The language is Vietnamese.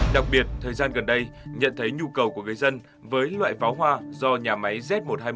đặc biệt thời gian gần đây nhận thấy nhu cầu của người dân với loại pháo hoa do nhà máy z một trăm hai mươi một